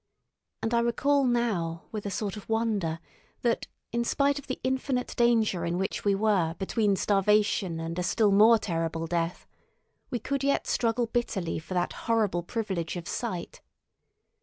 And I recall now with a sort of wonder that, in spite of the infinite danger in which we were between starvation and a still more terrible death, we could yet struggle bitterly for that horrible privilege of sight.